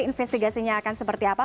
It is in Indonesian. investigasinya akan seperti apa